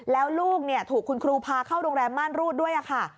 แล้วลูกถูกคุณครูพาเข้าโรงแรมม่านรูดด้วยค่ะ